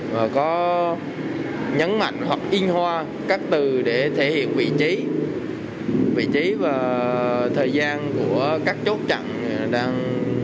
và có nhấn mạnh hoặc in hoa các từ để thể hiện vị trí và thời gian của các chốt trận